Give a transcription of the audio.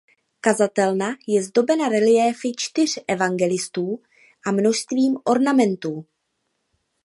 Kazatelna je zdobena reliéfy čtyř evangelistů a množstvím ornamentů.